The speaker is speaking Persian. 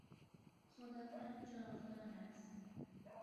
خداوند جاودان است.